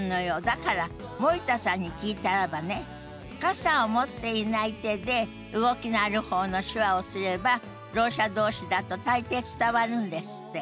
だから森田さんに聞いたらばね傘を持っていない手で動きのある方の手話をすればろう者同士だと大抵伝わるんですって。